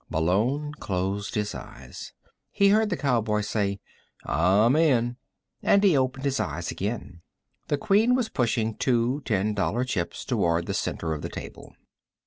Malone closed his eyes. He heard the cowboy say: "I'm in," and he opened his eyes again. The Queen was pushing two ten dollar chips toward the center of the table.